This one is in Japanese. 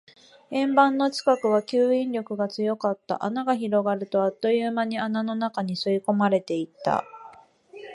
円盤の近くは吸引力が強かった。穴が広がると、あっという間に穴の中に吸い込まれていった。